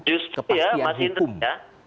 justru ya mas indra